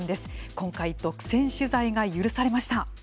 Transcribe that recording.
今回独占取材が許されました。